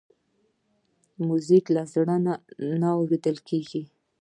موزیک له زړه نه اورېدل کېږي.